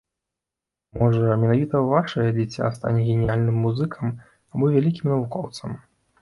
Можа, менавіта вашае дзіця стане геніяльным музыкам або вялікім навукоўцам.